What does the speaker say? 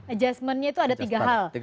adjustmentnya itu ada tiga hal